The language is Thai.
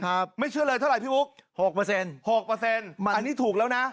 ไม่เชื่อเลยเท่าไหร่พี่บุ๊คหกเปอร์เซ็นหกเปอร์เซ็นต์อันนี้ถูกแล้วนะ